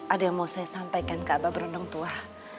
ada yang mau saya sampaikan ke abah beruntung tua